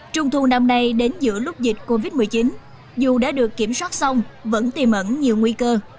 trung thu năm nay đến giữa lúc dịch covid một mươi chín dù đã được kiểm soát xong vẫn tìm ẩn nhiều nguy cơ